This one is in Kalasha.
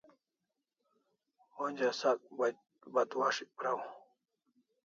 Onja sak batwas'ik praw